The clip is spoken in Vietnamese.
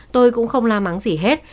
tôi cũng không la mắng gì hết